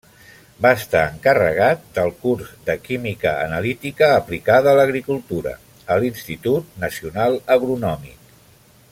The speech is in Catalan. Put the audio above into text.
Va estar encarregat del curs de Química analítica aplicada a l'agricultura a l'Institut Nacional Agronòmic.